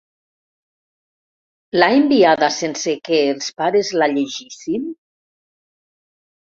L'ha enviada sense que els pares la llegissin?